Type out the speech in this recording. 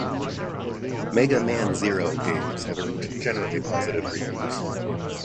"Mega Man Zero" games have earned generally positive reviews.